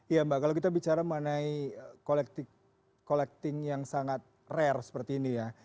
iya mbak kalau kita bicara mengenai collecting yang sangat rare seperti ini ya